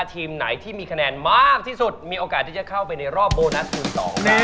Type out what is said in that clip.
ทีมไหนที่มีคะแนนมากที่สุดมีโอกาสที่จะเข้าไปในรอบโบนัสมือ๒แน่